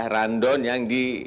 randon yang di